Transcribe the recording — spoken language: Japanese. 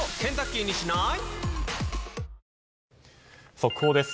速報です。